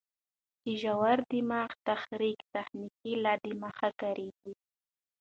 د ژور دماغي تحريک تخنیک لا دمخه کارېږي.